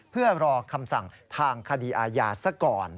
เพื่อรอคำสั่งทางคดีอาญาซะก่อน